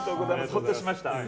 ホッとしました。